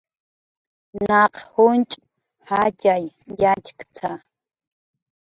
"Naq junch' jatxay yatxk""t""a"